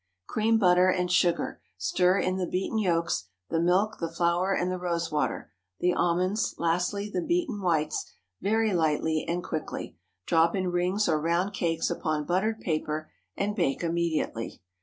Cream butter, and sugar; stir in the beaten yolks, the milk, the flour, and the rose water, the almonds, lastly the beaten whites very lightly and quickly. Drop in rings or round cakes upon buttered paper, and bake immediately.